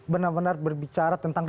benar benar berbicara tentang